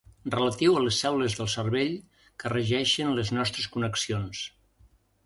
Relatiu a les cèl·lules del cervell que regeixen les nostres connexions.